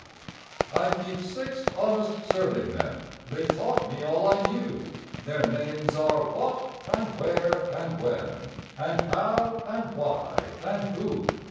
I Keep six honest serving men: (They taught me all I knew) Their names are What and Where and When And How and Why and Who.